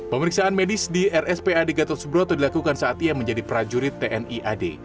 pemeriksaan medis di rspad gatot subroto dilakukan saat ia menjadi prajurit tni ad